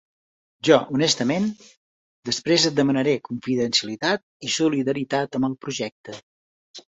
Jo, honestament, després et demanaré confidencialitat i solidaritat amb el projecte.